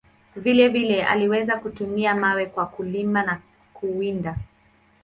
Vile vile, aliweza kutumia mawe kwa kulima na kuwinda.